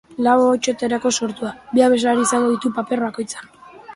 Lau ahotsetarako sortua, bi abeslari izango ditu paper bakoitzean.